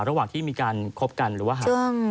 ระหว่างที่มีการคบกันหรือว่าห่าง